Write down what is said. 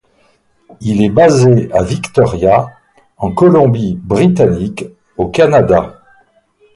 Il est basé à Victoria, en Colombie-Britannique, au Canada.